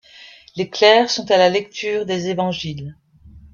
Les clercs sont à la lecture des évangiles.